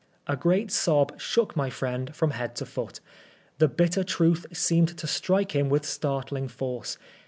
'^ A great sob shook my friend from head to foot. The bitter truth seemed to strike him with startling force.